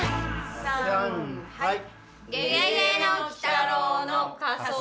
さんはい！